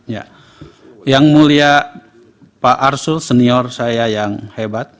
ya yang mulia pak arsul senior saya yang hebat